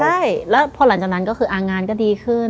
ใช่แล้วพอหลังจากนั้นก็คืองานก็ดีขึ้น